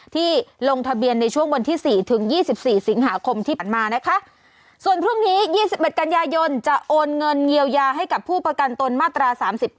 ที่ลงทะเบียนในช่วงวันที่๔ถึง๒๔สิงหาคมที่ผ่านมานะคะส่วนพรุ่งนี้๒๑กันยายนจะโอนเงินเยียวยาให้กับผู้ประกันตนมาตรา๓๙